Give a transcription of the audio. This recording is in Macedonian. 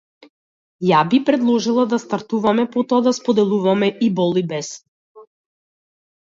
Јас би предложила да стартуваме, потоа да споделуваме и бол и бес.